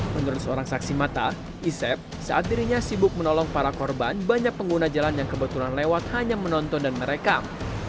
menurut seorang saksi mata isep saat dirinya sibuk menolong para korban banyak pengguna jalan yang kebetulan lewat hanya menonton dan merekam